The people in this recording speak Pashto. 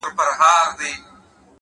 پوه انسان د حقیقت لټون نه دروي’